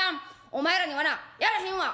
お前らにはなやらへんわ」。